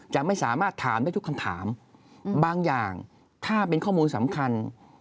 จะไม่สามารถถามได้ทุกคำถามบางอย่างถ้าเป็นข้อมูลสำคัญ